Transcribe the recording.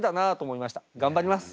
頑張ります。